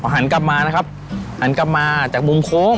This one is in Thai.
หันกลับมานะครับหันกลับมาจากมุมโค้ง